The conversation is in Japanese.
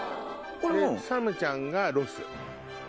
サムちゃんがロス。